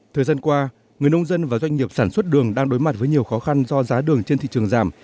thời gian qua người nông dân và doanh nghiệp sản xuất đường đang đối mặt với nhiều khó khăn do giá đường trên thị trường giảm